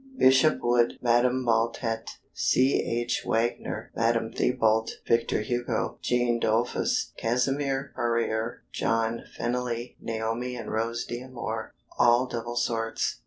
Bishop Wood, Madam Baltet, C. H. Wagner, Madam Thibaut, Victor Hugo, Jean Dolfus, Cassimer Perier, John Fennely, Naomi and Rose d'Amour, all double sorts.